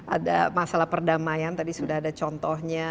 ada masalah perdamaian tadi sudah ada contohnya